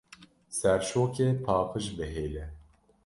Serşokê paqij bihêle!